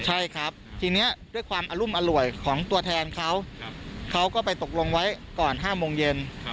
ใช่ครับทีนี้ด้วยความอรุมอร่วยของตัวแทนเขาเขาก็ไปตกลงไว้ก่อน๕โมงเย็น